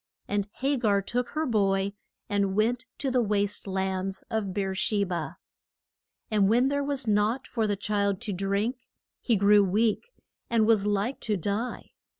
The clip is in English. And Ha gar took her boy and went to the waste lands of Beer she ba. And when there was nought for the child to drink, he grew weak, and was like to die.